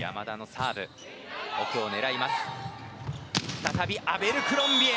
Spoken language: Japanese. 再びアベルクロンビエ。